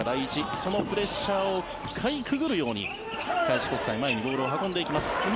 そのプレッシャーをかいくぐるように開志国際前にボールを運んでいきます。